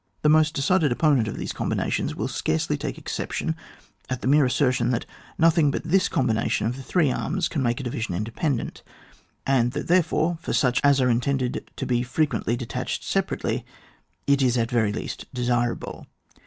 The most decided op ponent of these combinations will scarcely take exception at the mere assertion, that nothing but this combination of the three arms can make a division independent, and that therefore, for such as are intended to be frequently detached se parately, it is at least very desirable.